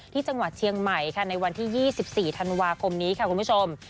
ที่จังหวัดเชียงใหม่ค่ะในวันที่๒๔ธันวาคมนี้ค่ะคุณผู้ชม